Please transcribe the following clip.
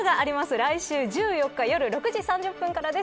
来週１４日６時３０分からです。